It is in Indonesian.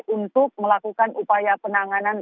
untuk melakukan upaya penanganan